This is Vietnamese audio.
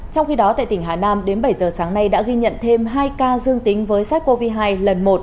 trong khi đó tại tỉnh hà nam đến bảy giờ sáng nay đã ghi nhận thêm hai ca dương tính với sars cov hai lần một